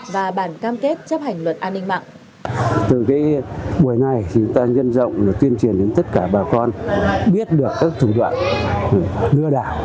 và bản cam kết chấp hành luật an ninh mạng